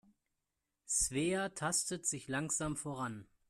Svea tastet sich langsam voran.